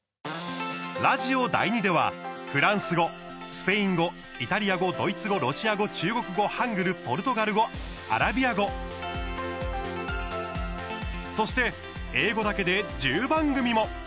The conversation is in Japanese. ラジオ第２ではフランス語、スペイン語イタリア語、ドイツ語、ロシア語中国語、ハングルポルトガル語、アラビア語そして英語だけで１０番組も。